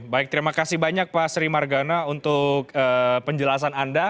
baik terima kasih banyak pak sri margana untuk penjelasan anda